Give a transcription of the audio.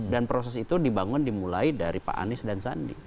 dan proses itu dibangun dimulai dari pak anies dan sandi